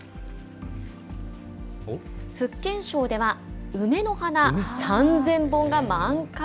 福建省では、梅の花３０００本が満開。